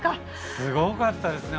すごかったです。